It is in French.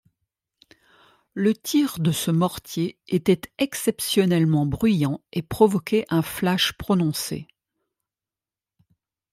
Le tir de ce mortier était exceptionnellement bruyant et provoquait un flash prononcé.